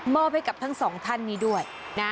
มอบให้กับทั้ง๒ท่านนี้ด้วย